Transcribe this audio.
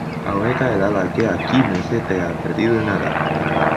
Ahueca el ala que aquí no se te ha perdido nada